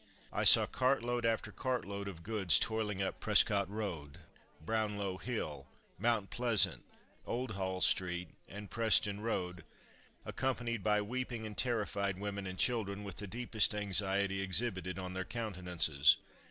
I saw cartload after cartload of goods, toiling up Prescot road, Brownlow hill, Mount Pleasant, Oldhall street, and Preston road, accompanied by weeping and terrified women and children, with the deepest anxiety exhibited on their countenances.